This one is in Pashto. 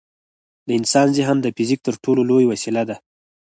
د انسان ذهن د فزیک تر ټولو لوی وسیله ده.